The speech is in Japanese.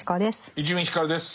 伊集院光です。